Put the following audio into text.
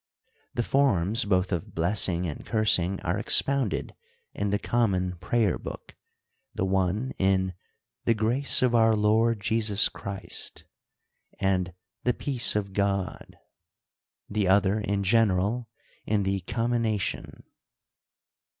The forms both of blessing and cursing are expounded in the common prayerbook; the one, in " The grace of our Lord Jesus Christ," &c. and " The peace of God," &c. : the other in general in the Com minatian.